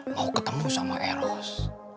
mau ketemu sama eros